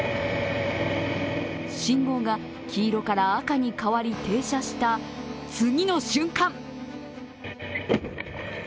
信号が黄色から赤に変わり停車した次の瞬間